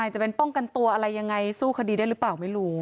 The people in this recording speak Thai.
จะเป็นป้องกันตัวอะไรยังไงสู้คดีได้หรือเปล่าไม่รู้